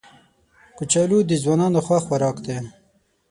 کچالو د ځوانانو خوښ خوراک دی